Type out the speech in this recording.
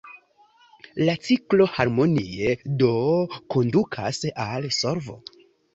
La ciklo harmonie do kondukas al solvo.